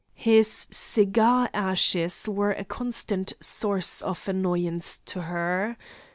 His cigar ashes were a constant source of annoyance to her.